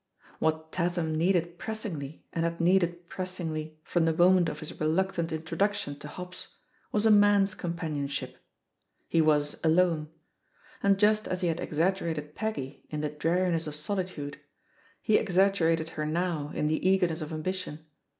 What Tatham needed pressingly, and had needed pressingly from the moment of his re luctant introduction to hops, was a man's com panionship. He was alone. And just as he had exaggerated Peggy in the dreariness of solitude, he exaggerated her now in the eagerness of am bition.